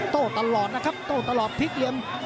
โตตลอดครับโตตลอดพริกเรียม